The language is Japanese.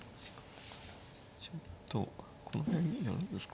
ちょっとこの辺銀やるんですか。